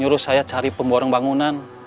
kamu harus cari pemborong bangunan